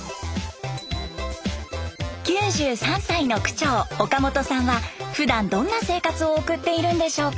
９３歳の区長岡本さんはふだんどんな生活を送っているんでしょうか。